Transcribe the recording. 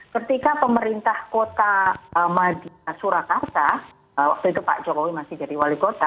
ketika pemerintah kota madia surakarta waktu itu pak jokowi masih jadi wali kota